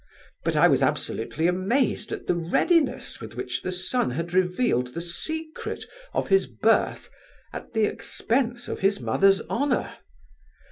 But I was absolutely amazed at the readiness with which the son had revealed the secret of his birth at the expense of his mother's honour.